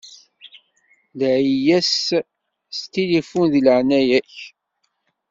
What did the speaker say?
Laɛi-yas s tilifun di leɛnaya-k.